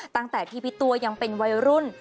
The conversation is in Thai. ตั้งแต่ที่พี่ตัวยังเป็นวัยรุ่น